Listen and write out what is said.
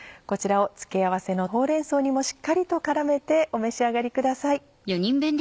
こちらを付け合わせのほうれん草にもしっかりと絡めてお召し上がりください。